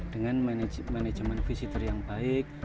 dengan manajemen visitor yang baik